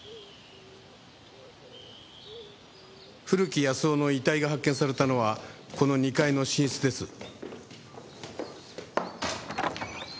古木保男の遺体が発見されたのはこの２階の寝室です。